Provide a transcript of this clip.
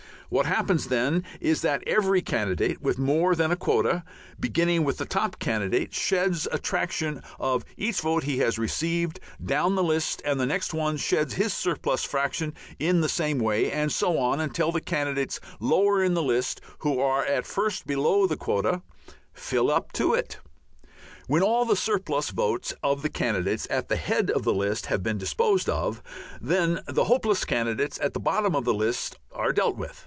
What happens, then, is that every candidate with more than a quota, beginning with the top candidate, sheds a traction of each vote he has received, down the list, and the next one sheds his surplus fraction in the same way, and so on until candidates lower in the list, who are at first below the quota, fill up to it. When all the surplus votes of the candidates at the head of the list have been disposed of, then the hopeless candidates at the bottom of the list are dealt with.